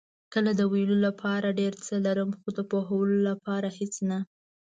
کله د ویلو لپاره ډېر څه لرم، خو د پوهولو لپاره هېڅ نه.